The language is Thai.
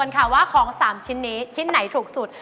ของ๓ชิ้นนี้ชิ้นไหนถูกสุด